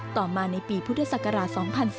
ต่อมาในปีพุทธศักราช๒๔